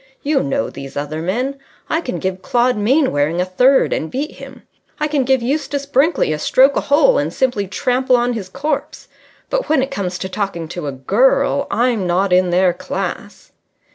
You know these other men. I can give Claude Mainwaring a third and beat him. I can give Eustace Brinkley a stroke a hole and simply trample on his corpse. But when it comes to talking to a girl, I'm not in their class."